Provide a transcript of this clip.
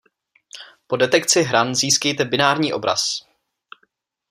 Po detekci hran získejte binární obraz.